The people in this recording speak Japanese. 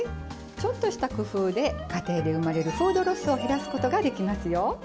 ちょっとした工夫で家庭で生まれるフードロスを減らすことができますよ。